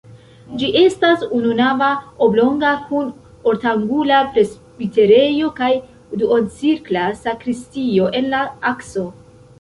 Ĝi estas ununava, oblonga kun ortangula presbiterejo kaj duoncirkla sakristio en la akso.